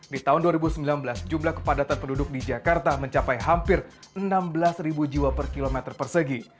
di tahun dua ribu sembilan belas jumlah kepadatan penduduk di jakarta mencapai hampir enam belas jiwa per kilometer persegi